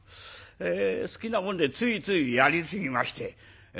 え好きなもんでついついやり過ぎましてえ